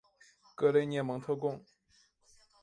格雷涅蒙特贡。